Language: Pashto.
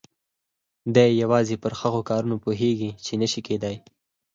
دی يوازې پر هغو کارونو پوهېږي چې نه شي کېدای.